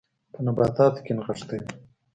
په نباتو کې نغښتلي